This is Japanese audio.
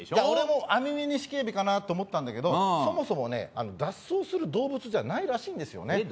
俺もアミメニシキヘビかなと思ったんだけどそもそもね脱走する動物じゃないらしいんですよね。